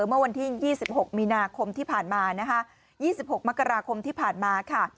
เมื่อวันที่๒๖มีนาคมที่ผ่านมานะคะ๒๖มกราคมที่ผ่านมาค่ะ